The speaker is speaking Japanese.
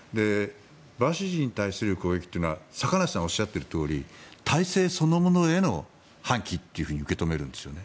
バシジに対する攻撃というのは坂梨さんがおっしゃっているとおり体制そのものへの反旗というふうに受け止めるんですよね。